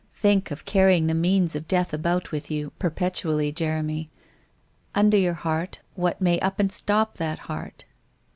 Think of carrying the means of death about with you perpetually, Jeremy! Under your heart, what may up and stop that heart